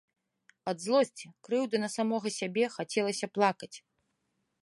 Ад злосці, крыўды на самога сябе хацелася плакаць.